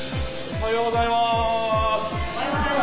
おはようございます。